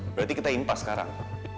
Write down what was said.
berarti kita impas sekarang